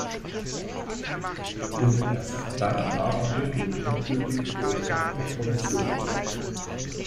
Und erst dann haben wir den endgültigen Vorschlag der Kommission.